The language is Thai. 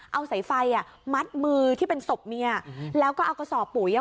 เอาสายไฟอ่ะมัดมือที่เป็นศพเมียแล้วก็เอากระสอบปุ๋ยอ่ะ